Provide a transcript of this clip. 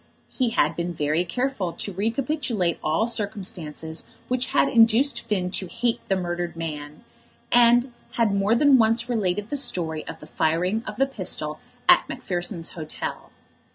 He had been very careful to recapitulate all circumstances which had induced Finn to hate the murdered man, and had more than once related the story of the firing of the pistol at Macpherson's Hotel.